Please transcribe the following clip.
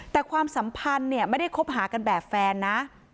แต่ความสัมพันธ์เนี่ยไม่ได้คบหากันแบบแฟนนะ